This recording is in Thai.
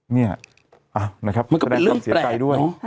นี่ครับมันก็เป็นเรื่องแปลก